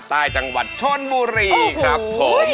ใต้จังหวัดชนบุรีครับผม